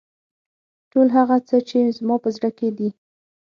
ټول هغه څه چې زما په زړه کې دي.